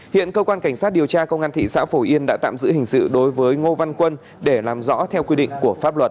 hiện cơ quan cảnh sát điều tra công an thị xã phổ yên đã tạm giữ hình sự đối với ngô văn quân để làm rõ theo quy định của pháp luật